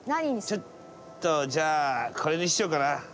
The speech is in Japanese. ちょっとじゃあこれにしようかな。